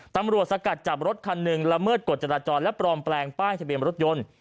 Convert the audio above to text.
สกัดจับรถคันหนึ่งละเมิดกฎจราจรและปลอมแปลงป้ายทะเบียนรถยนต์